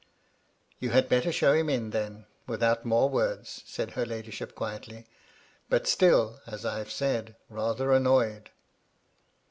" You had better show him in then, without more words," said her ladyship, quietly, but still, as I have said, rather annoyed.